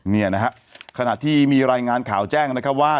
นี่นะฮะขณะที่มีรายงานข่าวแจ้งนะครับว่า